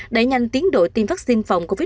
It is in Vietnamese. để nhanh tiến độ tiêm vaccine phòng covid một mươi chín